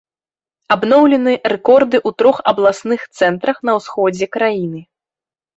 Абноўлены рэкорды ў трох абласных цэнтрах на ўсходзе краіны.